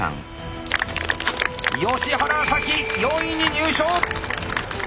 吉原沙喜４位に入賞！